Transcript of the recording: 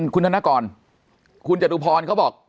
คุณธนกรคุณจตุพรเขาบอก